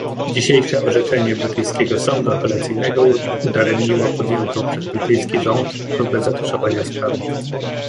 Dzisiejsze orzeczenie brytyjskiego sądu apelacyjnego udaremniło podjętą przez brytyjski rząd próbę zatuszowania sprawy